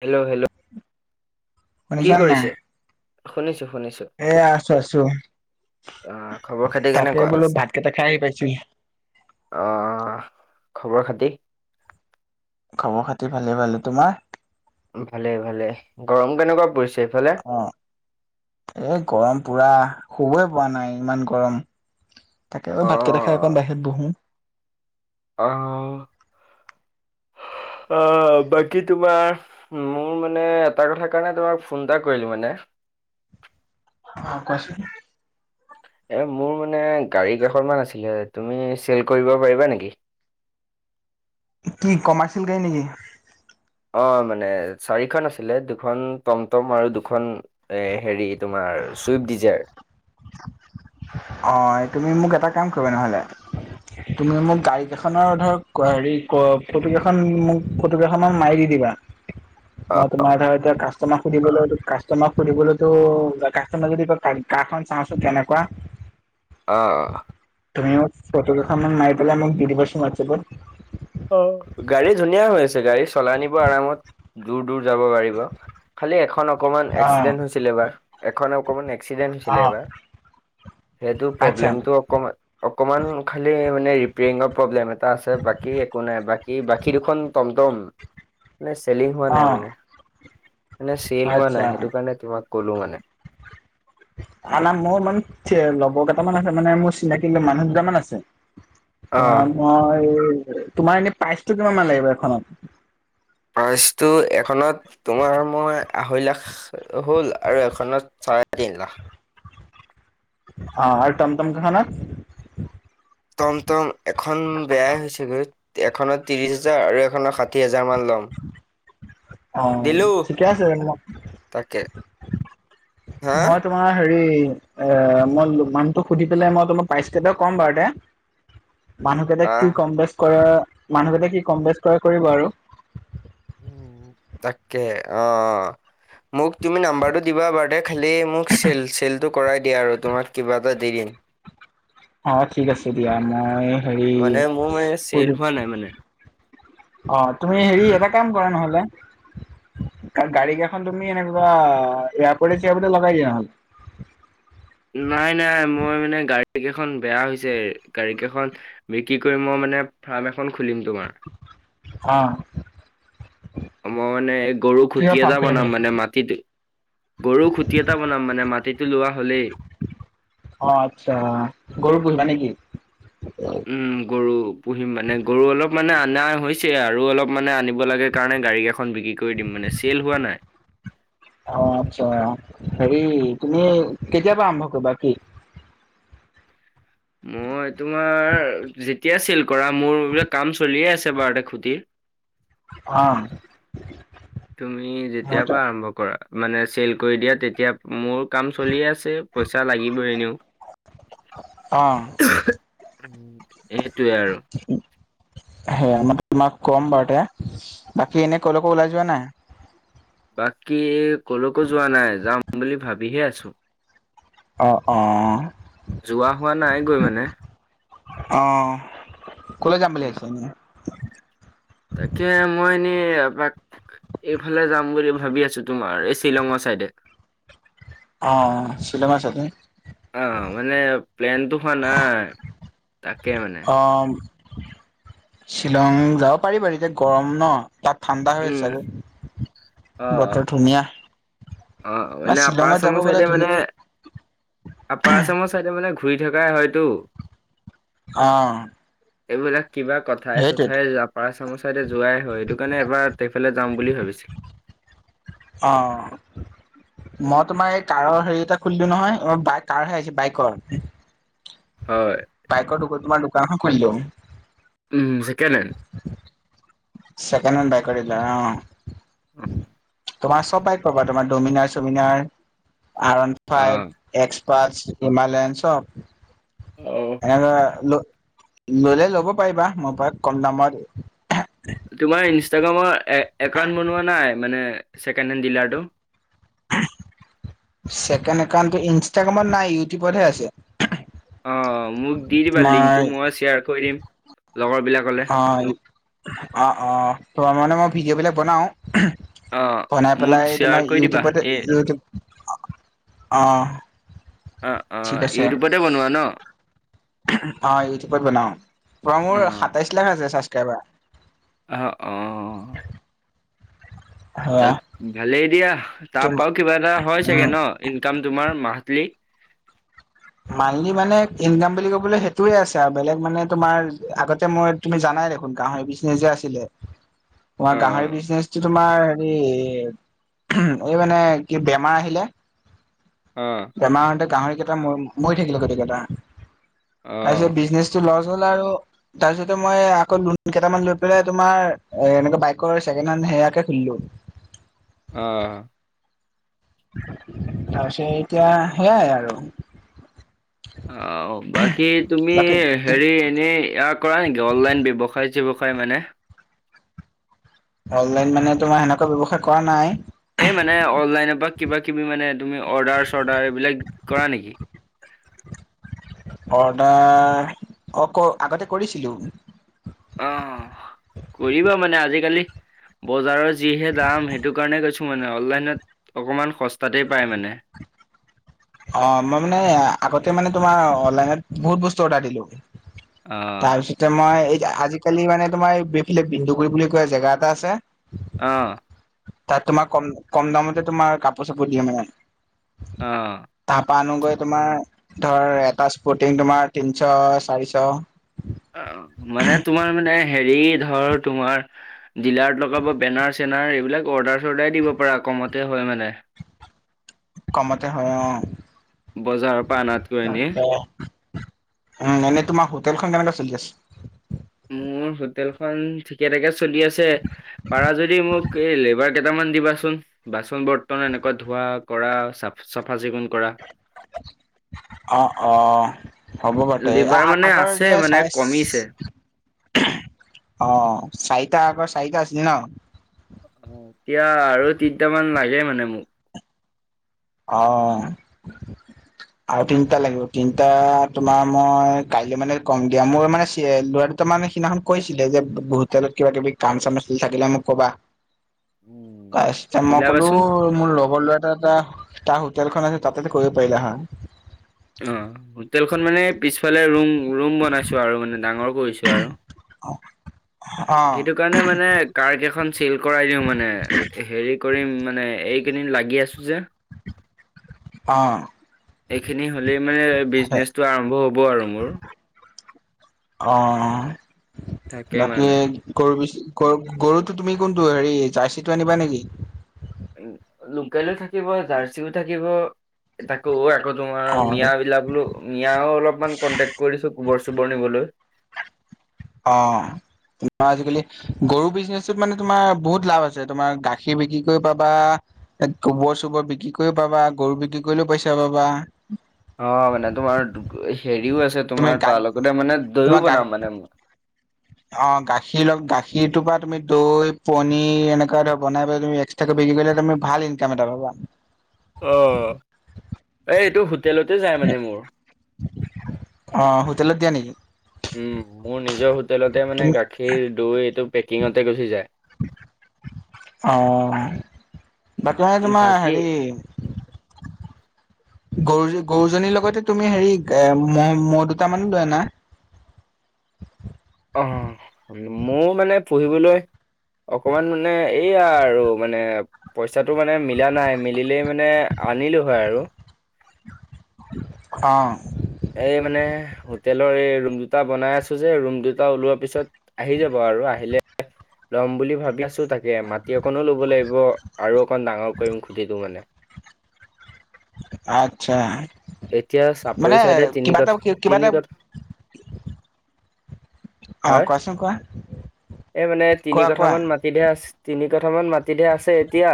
Hello hello কি শুনিছানে কৰিছে? শুনিছো শুনিছো। এ আছো আছো, আহ খবৰ খাতি তাকে কেনেকুৱা? বোলো ভাত কেইটা খাই আহি পাইছো। অ' খবৰ-খাতি? খবৰ-খাতি ভালে ভালে, তোমাৰ? ভালে ভালে, গৰম কেনেকুৱা পৰিছে সেইফালে? অ' এই গৰম পুৰা, শুবই পোৱা নাই ইমান গৰম। তাকে অ আৰু ভাতকেইটা খাই, অকণ বাহিৰত বহো। অঁ। অ', বাকী তোমাৰ মোৰ মানে এটা কথা কাৰণে, তোমাক ফোন এটা কৰিলোঁ মানে। অ' তাৰপিছত এ মোৰ মানে গাড়ী কেইখনমান আছিলে। তুমি চেল কৰিব পাৰিবা নেকি? কি কমাৰ্চিয়েল গাড়ী নেকি? অ' মানে চাৰিখন আছিলে দুখন টমটম, আৰু দুখন এ হেৰি তোমাৰ চুইফট ডিজাৰ। অ' তুমি মোক এটা কাম কৰিবা নহলে তুমি মোক গাড়ী কেইখনৰ ধৰ হেৰি ফটো কেইখন মোক ফটোকেইখন মান মাৰি দি দিবা। মই তোমাৰ ধৰ এতিয়া কাষ্টমাক সুধিবলৈটো, কাষ্টমাৰক সুধিবলৈতো কাষ্টমাৰে যদি কয়, কাৰ খন চাওঁচোন কেনেকুৱা? অঁ। তুমি মোক ফটো কেইখনমান মাৰি পেলাই দি দিবাচোন হোৱাটছএপত। অ' গাড়ী ধুনীয়া হৈ আছে, গাড়ী চলাই নিব আৰামত দূৰ-দূৰ যাব গাড়ী। খালি এখন অকমান অ এক্সিডেন্ট হৈছিল এবাৰ, এখন অকমা এক্সিডেণ্ট অ হৈছিলে এবাৰ, সেইটো আচ্ছা প্ৰব্লেমটো অক-অকমান খালি মানে ৰিপেয়ৰিঙৰ প্ৰব্লেম এটা আছে। বাকী বাকী একো নাই। বাকী বাকী দুখন টমটম মানে চেলিং হোৱা অ নাই মানে। মানে চেল হোৱা আচ্ছা নাই, সেইটো কাৰণে তোমাক কলো মানে। [unintelligible] মোৰ মানে লগৰ কেইটামান আছে, মানে মোৰ চিনাকি মানুহ দুটামান আছে। [inaudible] ধৰা, মই তোমাৰ এনে প্ৰাইচটো কিমান মান লাগিব এখনত? প্ৰাইচটো এখনত তোমাৰ মই আঢ়ৈ লাখ হ'ল, আৰু এখনত চাৰে তিন লাখ। অ' আৰু টমটম কি খনত? টমটম এখন বেয়াই হৈছেগৈ, এখনত ত্ৰিশ হাজাৰ আৰু এখনত ষাঠি হাজাৰ মান ল'ম। অঁ, দিলো ঠিকে আছে [unintelligible] তাকে। হা [unintelligible] তোমাৰ হেৰি এ, মই মানতোক সুধি পেলাই। মই তোমাৰ পাইচকেইটা ক'ম বাৰু দে। মানুহকেইটা আহ কি কম-বেচ কৰে, মানুহকেইটাই কি কম-বেচ কৰে কৰিব আৰু। উম', তাকে অ। মোক তুমি নাম্বাৰটো দিবা বাৰু দেই, খালি মোক চেল-চেলটো কৰাই দিয়া আৰু তোমাক কিবা এটা দি দিম। অ' ঠিক আছে দিয়া, মই হেৰি মানে মোৰ মানে কৈ চেল দিম। হোৱা নাই মানে অ তুমি হেৰি এটা কাম কৰা নহলে কাৰ গাড়ী কেইখন তুমি এনেকিবা এয়াৰপৰ্টে চিয়াবলৈ লগাই দিয়া নহ'ল নাই নাই মই মানে গাড়ী কেইখন বেয়া হৈছে গাড়ী কেইখন বিক্ৰী কৰিম মই মানে ফাৰ্ম এখন খুলিম তোমাৰ আহ মই মানে এই গৰু খুটি কিহৰ ফাৰ্ম এটা খুলিম বনাম বুলি মানে ভাবিছা? মাটিটো গৰু খুটি এটা বনাম মানে মাটিতটো লোৱা হলেই অ আচ্ছা গৰু পুহিবা নেকি। উ গৰু পুহিম মানে গৰু অলপ মানে অনা হৈছে আৰু অলপ মানে আনিব লাগে কাৰণে গাড়ী কেইখন বিক্ৰী কৰি দিম মানে চেল হোৱা নাই। অ আচ্ছা হেৰি তুমি কেতিবা আৰম্ভ কৰিবা কি মই তোমাৰ যেতিয়া ছিল কৰা মোৰ বোলে কাম চলিয়ে আছে বাৰুতে খুটিৰ অ তুমি মই যেতিয়াৰ তো পৰা আৰম্ভ কৰা মানে চেল কৰি দিয়া তেতিয়া মোৰ কাম চলিয় আছে পইচা লাগিব এনেও অ', উ সেইটোৱে আৰু সে আমাৰ তোমাক ক'ম বাৰু তে বাকী এনে কলৈকো ওলাই যোৱা নাই বাকী কলৈকো যোৱা নাই যাম বুলি ভাবিহে আছো অঁ অঁঁ যোৱা হোৱা নাই গৈ মানে। অ কলৈ যাম বুলি উম। ভাবিছা এনে তাকে মই এনেই এপাক এইফালে যাম বুলি ভাবি আছো তোমাৰ এই শ্বিলঙৰ চাইডে। অ চিলেমা চতে অ মানে প্লেনতো হোৱা নাই তাকে মানে অ শ্বিলং যাব পাৰিবাৰ এতিয়া গৰম ন। তাত ঠাণ্ডা হৈ উম অ আছে বতৰ ধুনীয়া। অ বা মানে আপাৰ শ্বিলঙত যাব চামৰ গ'লে চাইডে ধুনীয়া মানে আৰু পাৰাচ্ৰামৰ ছাইডে মানে ঘূৰি থকাই হয়তটো অ এইবিলাক কিবা কথাই সেইটোৱেতো চথাই যাম বা চামুচাইডে যোৱাই হয় সেইটো কাৰণে এবাৰ সেইফালে যাম বুলি ভাবিছিলো। অঁ মই তোমাৰ এই কাৰৰ হেৰি এটা খুলিলো নহয় অ কাৰহে আহিছে বাইকৰ হয় পাইক কো তোমাৰ দোকান খলিলও ছেকেণ্ড হেণ্ড চেকে হেণ বাই কিল অ উ তোমাৰ চবাই কবা তোমাৰ ডমিনাৰ চমিনাৰ আন অ ফাইভ এক্স পাচ হিমালয়ন অ চপ এনেুৱ ললে ল'ব পাৰিবা মই ব কম দামৰ দ তোমাৰ ইনষ্টাগ্ৰামৰ এ একাউণ্ট বনোৱা নাই মানে ছেকেণ্ড হেণ্ড ডিলাৰটো ছেকেণ্ড একাউণ্টো ইনষ্টাগ্ৰামত নাই ইউটিউবতহে আছে অ মোক দি দিবা লিংকটো তোমাৰ মই শ্বেয়াৰ কৰি দিম লগৰ বিলাকলে অ অ অ ত মানে মই ভিডিঅ' বিলাক বনাও অ বনাই মোক পেলাই তোমাৰ শ্বেয়াৰ কৰি দিবা ইউটিউবতে এই ইউটিউব অহ অ অ ইউটিউবতে বনোৱা ন অঁ ইউটিউবত বনাওঁ পৰা অ মোৰ সাতাইছ লাখ আছে ছাবস্ক্ৰাইবাৰ অহ অ সেয়া তাক ভালেই দিয়া তোমা তাপাও কিবা এটা হয় চাগে উম ন ইনকাম তোমাৰ মাথলি মানলি মানে ইনকাম বুলি ক'বলে সেইটোৱে আছে আও বেলেগ মানে তোমাৰ আগতে মই তুমি জানাই দেখোন গাঁহৰি বিছনেজ যে আছিলে। তোমাৰ অ গাহৰি বিজনেচটো তোমাৰ হেৰি এই মানে কি বেমাৰ আহিলে অ বেমাৰ আহোতে গাহৰি কেইটা ম মৰি থাকিলে গোতেইকেইটা অ তাৰপিছত বিজনেছ চো লছ হল আৰু তাৰপিছতে মই আকৌ লোন কেইটামান লৈ পেলাই তোমাৰ এ এনেকে বাইকৰ চছেকেণ্ড হেণ্ড সেয়াকে খুলিলো অ তাৰছত এতিয়া সেইয়াই আৰু অ বাকী তুমিহ বাকী হেৰি এনেই ইয়া কৰা নেকি অনলাইন ব্যৱসায় চেৱসায় মানে অনলাইন মানে তোমাৰ সেনেকুৱা ব্যৱসায় কৰা নাই। এই মানে অনলাইনৰ পৰা কিবা কিবি মানে তুমি অৰ্ডাৰ চৰ্ডাৰ এইবিলাক কৰা নেকি অৰ্ডাৰ অ ক আগতে কৰিছিলো অ কৰিবা মানে আজিকালি বজাৰৰ যিহে দাম সেইটো কাৰণে কৈছোঁ মানে অনলাইনত অকমান সস্তাতেই পায় মানে অ মই মানে আ আগতে মানে তোমাৰ অনলাইনত বহুত বস্তু অৰ্ডাৰ দিলো অ তাৰছ তে মই এই আজিকালি মানে তোমাৰ বিফালে বিন্দুগুৰি বুলি কোৱা জেগা এটা আছে অঁ তাত, তোমাৰ কম-কম দামতে তোমাৰ কাপোৰ-চাপোৰ দিয়ে মানে! অ',। তাৰপা আনোগৈ তোমাৰ ধৰ এটা স্পুটিং তোমাৰ তিনশ চাৰিশ। অ মানে তোমাৰ মানে হেৰি ধৰ তোমাৰ ডিলাৰত লগাব বেনাৰচ তেনাৰ এইবিলাক অৰ্ডাৰ চৰ্ডাৰ দিব পাৰা কমতে হয় মানে কমতে হয় অ বজাৰৰ পৰা অনাতকৈ এনে তাকে। উম এনেই তোমাৰ হোটেলখন কেনেকুৱা চলি আছে মোৰ হোটেলখন ঠিকে থাকে চলি আছে। পাৰা যদি মোক, এই লেবাৰ কেইটামান দিবাচোন। বাচন বৰ্তন এনেকুৱা ধোৱা কৰা চাফ চাফা চিকুণ কৰা। অ', অ',। হ'ব বাৰু তে আ লিভাৰ মানে আগৰ আছে যে মানে চাইজ কমিছে অ', চাৰিটা আগৰ চাৰিটা আছিল ন? অ', এতিয়া আৰু তিনটামান লাগে মানে মোক অঁ। [inaudible] আৰু তিনটা লাগিব তিনটা তোমাৰ মই কাইলে মানে কম দিয়া মোৰ মানে চে ল'ৰা দুটা মান সিদিনাখন কৈছিলে যে হোটেলত কিবা-কিবি কাম-চাম থাকিলে মোক ক'বা। [unintelligible] আচ্ছা মই ক'লো মিলাবাচোন মোৰ লগৰ ল'ৰা এটা টা তাৰ হোটেল এখন আছে তাতে কৰিব পাৰিলা হয়। অ হোটেলখন মানে পিছফালে ৰুম ৰুম বনাইছো আৰু মানে ডাঙৰ কৰিছো আৰু অ সেইটো সেই কাৰণে মানে কাৰ কেইখন চিল কৰাই দিও মানে হেৰি কৰিম মানে এইকেইদিন লাগি আছো যে। অ এইখিনি হ'লেই মানে বিজনেচটো আৰম্ভ হ'ব আৰু মোৰ। অ থাকে বাকী মানে গৰু বেছি গৰু গৰুটো তুমি কোনটো হেৰি জাৰ্চিটো আনিবা নেকি উম লোকেলো থাকিব জাৰ্চিও থাকিব তাকো আকৌ তোমাৰ অ মিয়া বিলাক বোলো মিয়াও অলপমান কণ্টেক কৰিছো গোবৰ চোবৰ নিবলৈ অ তোমাৰ আজিকালি গৰু বিজনেচটোত মানে তোমাৰ বহুত লাভ আছে তোমাৰ গাখীৰ বিক্ৰী কৰিব পাৰিবা গোবৰ-চোবৰ বিক্ৰী কৰিও পাবা গৰু বিক্ৰী কৰিলেও পইচা পাবা। অ মানে তোমাৰ হেৰিও আছে তুমি তোমাৰ গা তাৰ লগতে মানে দৈও তোমাৰ গা বনাম মানে মই অ গাখীৰ গাখীৰটোৰ পৰা তুমি দৈ, পনীৰ এনেকুৱা ধৰ বনাই পেলাই তুমি সেইটো বিক্ৰী কৰিলে তুমি ভাল ইনকাম এটা পাবা অ'এইটো হোটেলতে যায় মানে মোৰ। অ হোটেলত দিয়া নেকি উম মোৰ নিজৰ হোটেলতে মানে তুমি গাখীৰ-দৈ এইটো পেকিংতেই গুচি যায়। অহ তাকেহে তোমাৰ বাকী হেৰি [unintelligible] গৰু গৰু জনীৰ লগতে তুমি হেৰি এ মহ মহ' দুটামানো লৈ আনা। অ মহ মানে পোহিবলৈ অকমান মানে এইয়া আৰু মানে পইচাটো মানে মিলা নাই মিলিলেই মানে আনিলো হয় আৰু অহ এই মানে হোটেলৰ এই ৰুম দুটা বনাই আছো যে ৰুম দুটা ওলোৱাৰ পিছত আহি যাব আৰু আহিলে ল'ম বুলি ভাবি আছো তাকে মাত মাটি অকণো ল'ব লাগিব আৰু অকণ ডাঙৰ কৰিম গোটেটো মানে আচ্ছা এতিয়া মানে চাপৰি চাইডে তিনি কিবা কঠ এটা কিবা তিনি এটা কঠ অ হয় কোৱাচোন কোৱা এই মানে তিনি কোৱা কঠা কোৱা মান মাটি এতিয়া তিনি কঠামান মাটিতহে আছে এতিয়া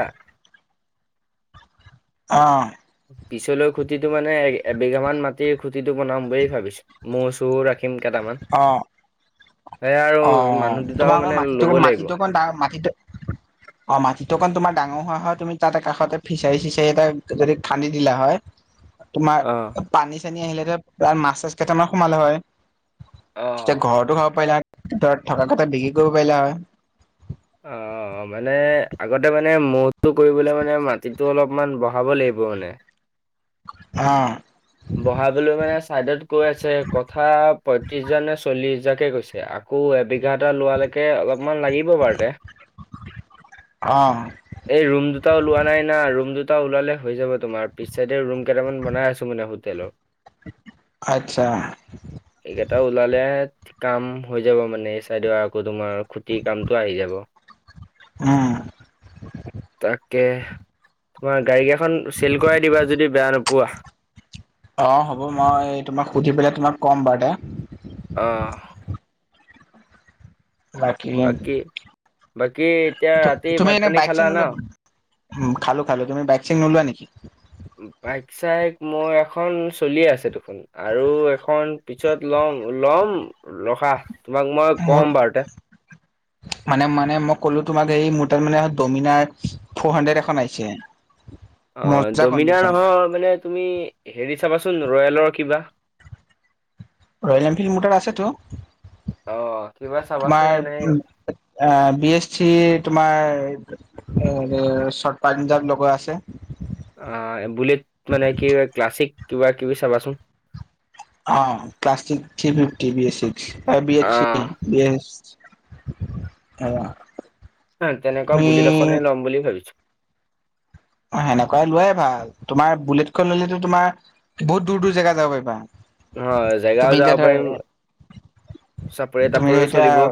অহ পিছলৈ খুটিত মানে এ এবিঘা মান মাটিৰ খুটিটো বনাম বুলি ভাবিছো মহ চহ ৰাখি ৰাখিম কেইটামান অ', সেয়া আৰু অ', মানুহ তোমাৰ দুটাও অকণ মানে মাটিটো লব লাগিব মাটিটো অকণ ডাঙৰ মাটিটো অ মাটিটো অকন তোমাৰ ডাঙৰ হোৱা হয় তুমি তাত কাষতে ফিচাৰি চিচাৰি এটা যদি খান্দি দিলা হয় [unintelligible] তোমাৰ পানী-চানী আহিলেতে প্ৰায় মাছ-চাছ কেইটামান সোমালে হয়। অ তেতিয়া ঘৰতো খাব পাৰিলা ভিতৰত থকা কথা বিক্ৰী কৰিব পাৰিলা হয়। অঁ অঁ, মানে আগতে মানে মওতটো কৰিবলৈ মানে মাটিটো অলপমান বঢ়াব লাগিব মানে। অঁ। বহাবলো মানে চাইডত কৈ আছে কথা পয়ত্ৰিশ হাজাৰনে চল্লিশ হাজাৰকে কৈছে। আকৌ এবিঘা এটা লোৱালেকে অলপমান লাগিব বাৰু তে অ', এই ৰুম দুটা ওলোৱা নাই না, ৰুম দুটা ওলালে হৈ যাব তোমাৰ। পিছচাইডে ৰুম কেইটামান বনাই আছোঁ মানে হো হোটেলৰ। আতচ্ছা। এইকেইটা ওলালে কাম হৈ যাব মানে এই চাইডৰ আকৌ, তোমাৰ খুঁটিৰ কামটো আহি যাব। উম, তাকে তোমাৰ গাড়ী কেখ খন চেল কৰাই দিবা, যদি বেয়া নোপোৱা। অঁ হ'ব মই তোমাক সুধি পেলাই তোমাক ক'ম বাৰ যে। অঁহ। বাকিলেম বাকী বাকী এতিয়া তু ৰাতি তুমি ভাত এনে পানী বাইক খালা চাইক ন নোলোৱা? উম খালো খালো। তুমি বাইক চাইক নলোৱা নেকি? বাইক- চাইক মই এখন চলিয়ে আছে দেখোন আৰু এখন পিছত লম ল'ম ৰখা, তোমাক মই মোৰ কম বাৰুতে। মানে মানে মই ক'লো তোমাক হেৰি মোৰ তাত মানে ডমিনাৰ ফৰ হানড্ৰেড এখন আহিছে। অঁ মজা ডমিনাৰ কণ্ডিচন নহয় মানে তুমি হেৰি চাবাচোন ৰয়েলৰ কিবা ৰয়েল এনফিল্ড মোৰটাত আছেটো! অ' কিবা চাবাচোন তোমাৰ এনে এ বি এছ চিৰ তোমাৰ [inaudible] চৰ্ত পামজাপ লগোৱা আছে। অ', বুলেট মানে, কি ক্লাছিক কিবা-কিবি চাবাচোন। অঁ ক্লাচিক থ্ৰী ফিফটী বি এ অ' চিকছ, বি এছ অঁ। নয়, তেনেকুৱা বুলেট এখনেই ল'ম বুলি ভাবিছোঁ। অ' সেনেকুৱাই লোৱাই ভাল। তোমাৰ বুলেটখন ললেটো তোমাৰ বহুত দূৰ-দূৰ জেগা যাব পাৰিবা। অঁ, জেগাও তুমি যাব এতিয়া ধৰা পাৰিম চাপৰি তাপৰেও চলিব।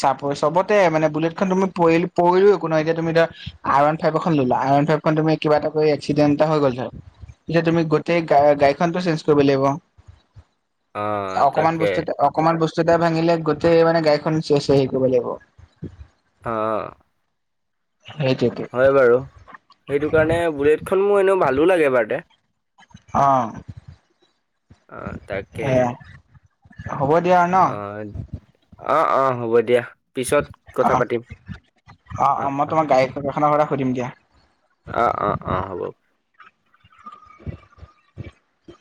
চাপই চবতে মানে বুলেটখন তুমি পৰি পৰিলো একো নাই এতিয়া তুমি এতিয়া আৰ ওৱান ফাইভ এখন ল'লা। আৰ ওৱান ফাইভখন তুমি কিবা এটা কৰি এক্সিডেট এটা হৈ গ'ল ধৰ এতিয়া তুমি গোটেই গাড়ীখনটো চেঞ্জ কৰিব লাগিব। অকমান তাকে বস্তু এটা অকনমান বস্তু এটা ভাঙিলে গোটেই মানে গাড়ীখন চে চে হৰি কৰিব লাগিব অঁ। সেইটোৱেটো। হয় বাৰু। সেইটো কাৰণে বুলেট খন মোৰ এনেও ভালো লাগে বাৰতে। অঁ, আহ তাকে এ হ'ব দিয়া। ন অঁ, অঁ, অঁ হ'ব দিয়া পিছত অ কথা পাতিম। অ অ অঁ মই অঁ। [unintelligible] কথা সুধিব দিয়া। অ', অ', অ', হ'ব। [inaudible]